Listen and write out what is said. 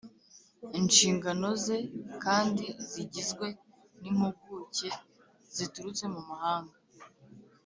Inshingano ze kandi zigizwe n’impuguke ziturutse mu mahanga